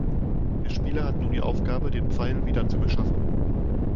Der Spieler hat nun die Aufgabe den Pfeil wiederzubeschaffen.